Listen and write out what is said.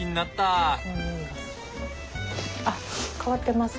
あっ変わってます